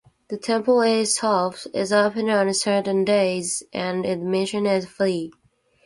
The temple itself is open on certain days, and admission is free.